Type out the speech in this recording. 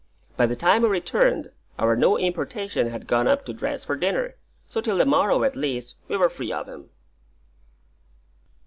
By the time we returned, our new importation had gone up to dress for dinner, so till the morrow at least we were free of him.